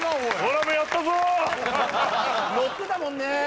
乗ってたもんね！